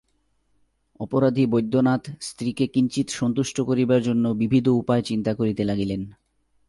অপরাধী বৈদ্যনাথ স্ত্রীকে কিঞ্চিৎ সন্তুষ্ট করিবার জন্য বিবিধ উপায় চিন্তা করিতে লাগিলেন।